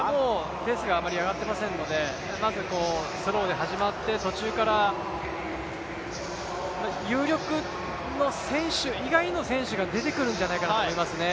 ペースがあまり上がっていませんので、スローで始まって途中から、有力の選手以外の選手が出てくるんじゃないかなと思いますね。